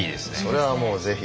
それはもうぜひ。